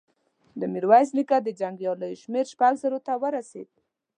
د ميرويس نيکه د جنګياليو شمېر شپږو زرو ته ورسېد.